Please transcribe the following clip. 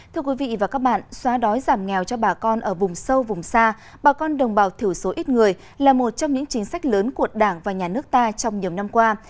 thưa quý vị và các bạn xóa đói giảm nghèo cho bà con ở vùng sâu vùng xa bà con đồng bào thiểu số ít người là một trong những chính sách lớn của đảng và nhà nước ta trong nhiều năm qua